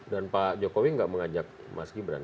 dan pak jokowi nggak mengajak mas gibran